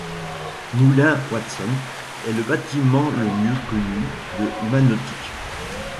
Moulin Watson est le bâtiment le mieux connu de Manotick.